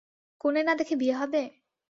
কনে না দেখে বিয়ে হবে?